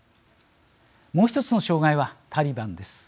もう１つの障害は、タリバンです。